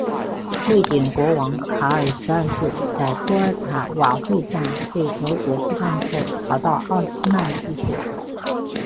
瑞典国王卡尔十二世在波尔塔瓦会战被俄国击败后逃到奥斯曼帝国。